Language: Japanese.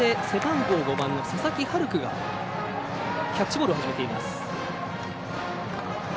一塁側で５番の佐々木がキャッチボールを始めています。